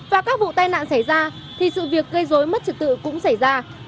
và các vụ tai nạn xảy ra thì sự việc gây dối mất trật tự cũng xảy ra